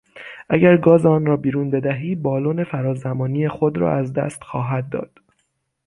اگر گاز آن را بیرون بدهی بالون فرازمانی خود را از دست خواهد داد.